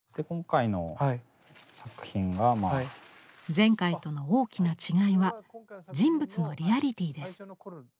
前回との大きな違いは人物のリアリティーです。